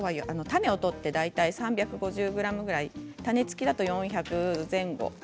きょうは種を取って大体３５０ｇぐらい種付きだと４００前後ですね。